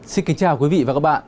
xin kính chào quý vị và các bạn